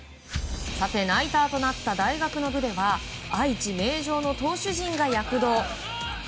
ナイターとなった大学の部では愛知・名城の投手陣が躍動。